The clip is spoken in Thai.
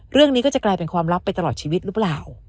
เรื่องนี้ก็จะกลายเป็นความลับไปตลอดชีวิตหรือเปล่า